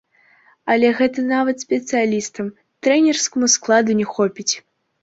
Але гэта нават спецыялістам, трэнерскаму складу не хопіць.